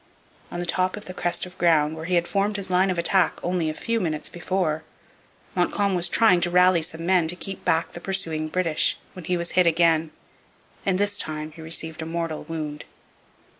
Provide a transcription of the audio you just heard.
On the top of the crest of ground, where he had formed his line of attack only a few minutes before, Montcalm was trying to rally some men to keep back the pursuing British when he was hit again, and this time he received a mortal wound.